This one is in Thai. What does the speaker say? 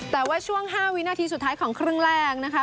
แต่ว่าช่วง๕วินาทีสุดท้ายของครึ่งแรกนะคะ